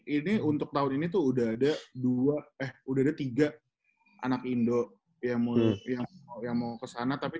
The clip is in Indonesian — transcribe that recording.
ini untuk tahun ini tuh udah ada dua eh udah ada tiga anak indo yang mau kesana tapi